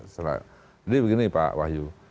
jadi begini pak wahyu